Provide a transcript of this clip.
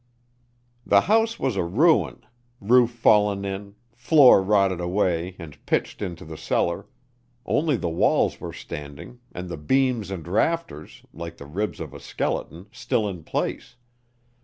"The house was a ruin roof fallen in, floor rotted away and pitched into the cellar: only the walls were standing, and the beams and rafters, like the ribs of a skeleton, still in place.